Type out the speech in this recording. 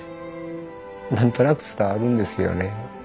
何となく伝わるんですよね。